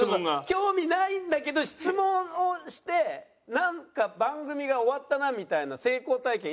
興味ないんだけど質問をしてなんか番組が終わったなみたいな成功体験